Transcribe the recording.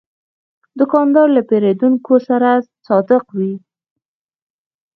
دوکاندار له پیرودونکو سره صادق وي.